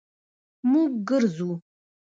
مونږ ګرځو